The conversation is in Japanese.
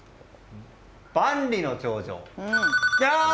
万里の長城！